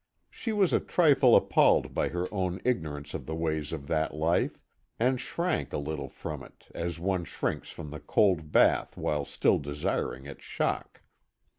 She was a trifle appalled by her own ignorance of the ways of that life, and shrank a little from it, as one shrinks from the cold bath while still desiring its shock.